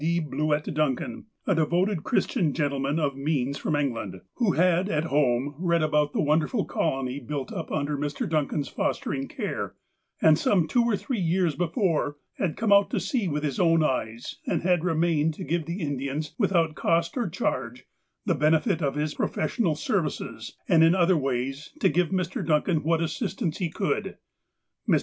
D. Bluett Duncan, a devoted Christian gentleman of means from England, 290 THE APOSTLE OF ALASKA who had, at home, read about the wonderful colony built up under Mr. Duncan's fostering care, and, some two or three years before, had come oat to see with his own eyes, and had remained to give the Indians, without cost or charge, the benefit of his professional services, and in other ways give to Mr. Duncan what assistance he could. Mr.